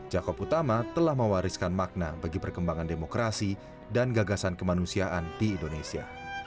jakob utama telah mewariskan makna bagi perkembangan demokrasi dan gagasan kemanusiaan di indonesia